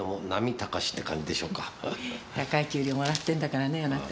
高い給料もらってんだからねぇあなた。